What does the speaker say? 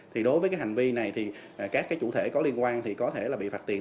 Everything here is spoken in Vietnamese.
thì đối với cái hành vi này thì các cái chủ thể có liên quan thì có thể là bị phạt tiền